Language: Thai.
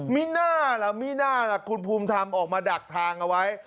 มีหน้าเหรอมีหน้าคุณภูมิธรรมทำออกมาดักทางเอาไว้